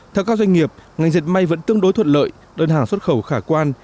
theo các doanh nghiệp ngành dệt may vẫn tương đối thuận lợi đơn hàng xuất khẩu khả quan